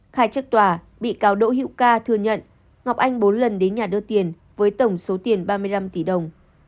khai chức tòa bị cáo đỗ hữu ca thừa nhận ngọc anh bốn lần đến nhà đưa tiền với tổng số tiền ba mươi năm tỷ đồng